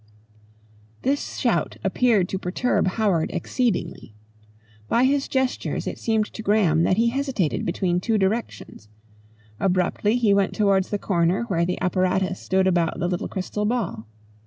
This shout appeared to perturb Howard exceedingly. By his gestures it seemed to Graham that he hesitated between two directions. Abruptly he went towards the corner where the apparatus stood about the little crystal ball.